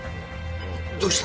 どうした？